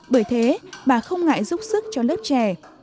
bởi thế bà không ngại giúp sức cho lớp trẻ